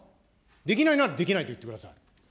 できないならできないって言ってください。